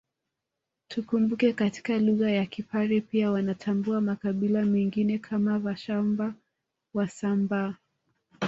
Tukumbuke katika lugha ya Kipare pia wanatambua makabila mengine kama Vashamba Wasambaa